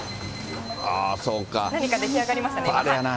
何か出来上がりましたね。